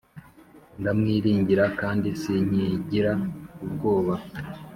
ndamwiringira kandi sinkigira ubwoba,